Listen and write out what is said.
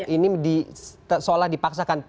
ini seolah dipaksakan